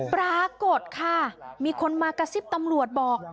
ปรากฏค่ะมีคนมากระซิบตำรวจบอก